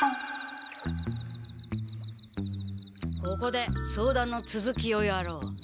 ここで相談のつづきをやろう。